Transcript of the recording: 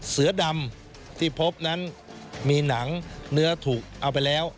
เสือดำที่พบนั้นมีหนังเนื้อถูกเอาไปแล้ว